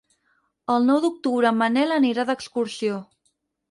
El nou d'octubre en Manel anirà d'excursió.